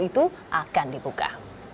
dan yang dibuka